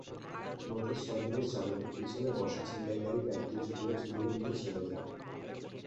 মোটরসাইকেলের চালকের পেছনে বসা ছিনতাইকারী ব্যাগটি ঝুলিয়ে ঝুলিয়ে নিয়ে চলে যায়।